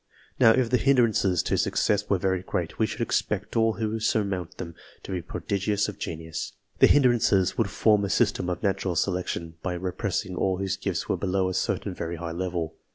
Now, if the hindrances to success were very great, we should expect all who surmounted them to be prodigies of genius. The hindrances would form a system of natural selection, by repressing all whose gifts were below a certain very high level.